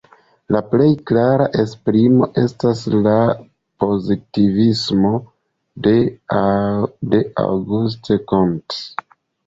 La plej klara esprimo estas la pozitivismo de Auguste Comte.